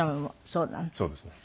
そうですね。